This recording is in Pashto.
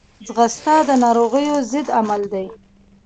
ځغاسته د ناروغیو ضد عمل دی